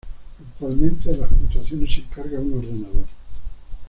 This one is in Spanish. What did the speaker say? Actualmente de las puntuaciones se encarga un ordenador.